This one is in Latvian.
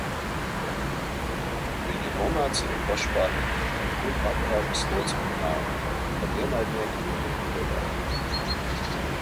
Viņu nomāc arī pašpārmetumi par kuģa apkalpes locekļu nāvi un pat ienaidnieka jūrnieku bojāeju.